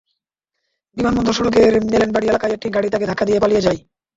বিমানবন্দর সড়কের এলেনবাড়ি এলাকায় একটি গাড়ি তাঁকে ধাক্কা দিয়ে পালিয়ে যায়।